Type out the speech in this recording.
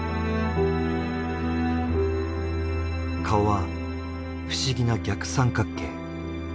顔は不思議な逆三角形。